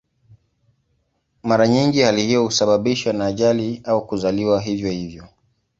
Mara nyingi hali hiyo husababishwa na ajali au kuzaliwa hivyo hivyo.